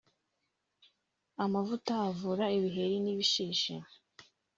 amavuta avura ibiheri n’ibishishi